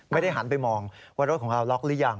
ไม่ได้หันไปมองว่ารถของเราล๊อคหรือยัง